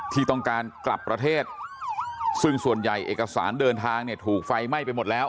ที่ต้องการกลับประเทศซึ่งส่วนใหญ่เอกสารเดินทางเนี่ยถูกไฟไหม้ไปหมดแล้ว